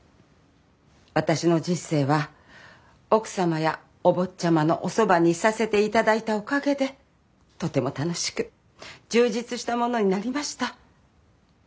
私の人生は奥様やお坊ちゃまのおそばにいさせていただいたおかげでとても楽しく充実したものになりました。